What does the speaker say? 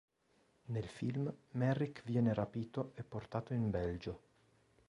Nel film, Merrick viene rapito e portato in Belgio.